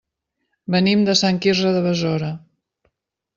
Venim de Sant Quirze de Besora.